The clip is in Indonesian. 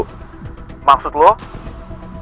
makanya tuh ngatur pertemuan keluarga